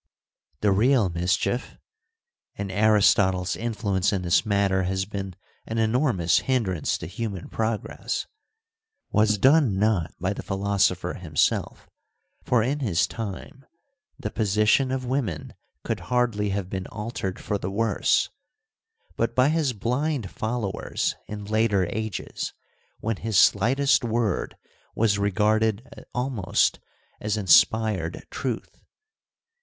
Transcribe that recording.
The real mischief — and Aristotle's influence in this matter has been an enormous hindrance to human progress — was done not by the philosopher himself, for in his time the position of women could hardly have been altered for the worse, but by his blind followers in later ages when his slightest word was regarded almost as inspired truth.